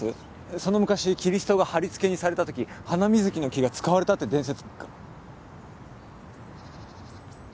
その昔キリストがはりつけにされたときハナミズキの木が使われたって伝説が。